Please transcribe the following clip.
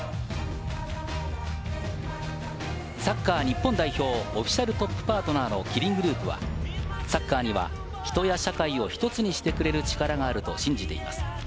サッカー日本代表、オフィシャルトップパートナーのキリングループはサッカーには人や社会を１つにしてくれる力があると信じています。